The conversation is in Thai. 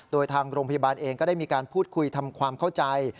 โดยทางโรงพยาบาลเองก็ได้มีการพูดคุยทำความเข้าใจ